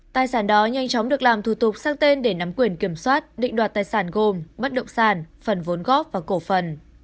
tài sản đó nhanh chóng được làm thủ tục sang tên để nắm quyền kiểm soát định đoạt tài sản gồm bất động sản phần vốn góp và cổ phần